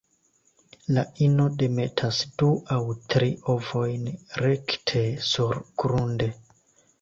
La ino demetas du aŭ tri ovojn rekte surgrunde.